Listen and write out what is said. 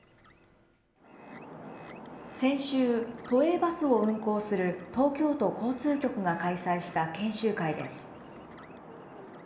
先週、都営バスを運行する東京都交通局が開催した研修会です。